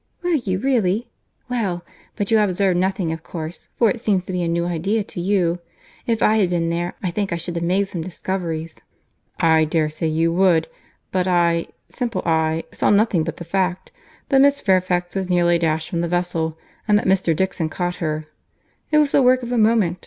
"Were you really?—Well!—But you observed nothing of course, for it seems to be a new idea to you.—If I had been there, I think I should have made some discoveries." "I dare say you would; but I, simple I, saw nothing but the fact, that Miss Fairfax was nearly dashed from the vessel and that Mr. Dixon caught her.—It was the work of a moment.